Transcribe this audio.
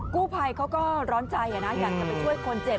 กู้ภัยเขาก็ร้อนใจนะอยากจะไปช่วยคนเจ็บ